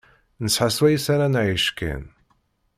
Nesεa swayes ara nεic kan.